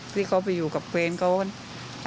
ที่เขาไปอยู่กับเวรเขา